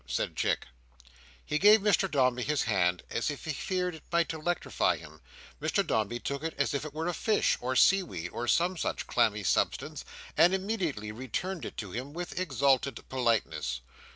said Chick. He gave Mr Dombey his hand, as if he feared it might electrify him. Mr Dombey took it as if it were a fish, or seaweed, or some such clammy substance, and immediately returned it to him with exalted politeness.